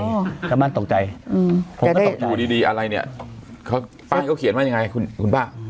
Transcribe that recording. ตกใจถ้ามันตกใจผมก็ตกอยู่ดีอะไรเนี่ยป้ายเขาเขียนไว้ยังไงคุณป้า